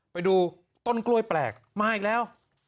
ไปดูต้นกล้วยแปลกมาอีกแล้ว